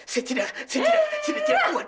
saya tidak kuat bu